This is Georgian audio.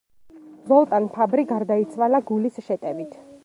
ზოლტან ფაბრი გარდაიცვალა გულის შეტევით.